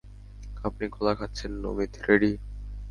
আপনি কলা খাচ্ছেন নমিত, রেডি?